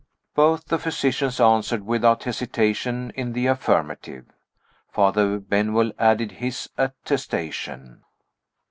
Both the physicians answered without hesitation in the affirmative. Father Benwell added his attestation.